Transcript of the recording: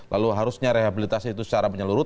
lalu harusnya rehabilitasi itu secara menyeluruh